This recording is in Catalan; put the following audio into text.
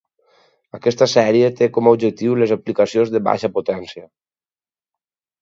Aquesta sèrie té com a objectiu les aplicacions de baixa potència.